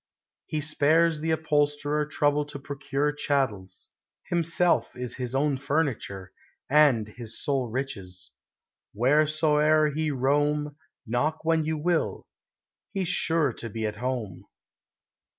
He spares the upholsterer trouble to procure Chattels; himself is his own furniture, And his sole riches. Wheresoe'er he roam, — Knock when you will, — he 's sure to be at home.